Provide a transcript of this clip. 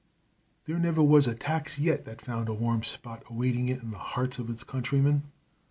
There never was a tax yet that found a warm spot awaiting it in the hearts of its countrymen.